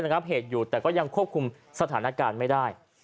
หยุดทั้งแต่ก็ยังควบคุมสถานการณ์ไม่ได้